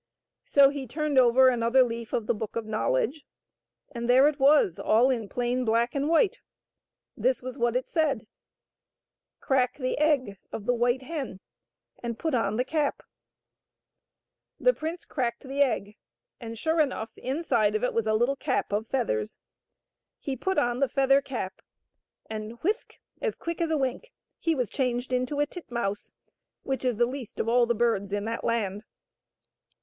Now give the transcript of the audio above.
So he turned over another leaf of the Book of Knowledge, and there it was all in plain black and white. This was what it said :" Crack the egg of the white hen and put on the cap'' The prince cracked the egg, and, sure enough, inside of it was a little cap of feathers. He put on the feather cap and — ^whisk !— ^as quick as a wink he was changed into a titmouse, which is the least of all the birds in that land.